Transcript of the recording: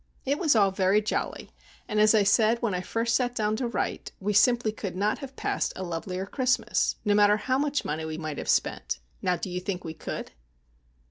It was all very jolly; and, as I said when I first sat down to write, we simply could not have passed a lovelier Christmas, no matter how much money we might have spent,—now do you think we could?